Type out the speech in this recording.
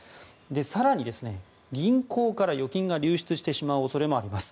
更に銀行から預金が流出してしまう恐れもあります。